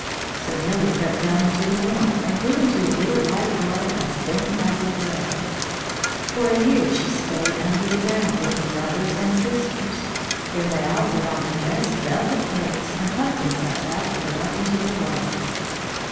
So Milly crept down into the warmth, and grew into a little white girl as thin as a thread. For a year she stayed under the ground with her brothers and sisters; then they all put on their best velvet hoods and puffed themselves out to go up into the world.